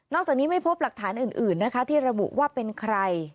จากนี้ไม่พบหลักฐานอื่นนะคะที่ระบุว่าเป็นใคร